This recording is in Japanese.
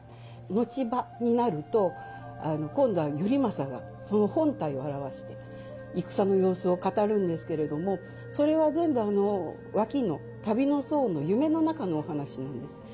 後場になると今度は頼政がその本体を現して戦の様子を語るんですけれどもそれは全部ワキの旅の僧の夢の中のお話なんです。